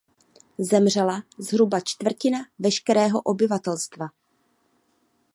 Zemřela zhruba čtvrtina veškerého obyvatelstva.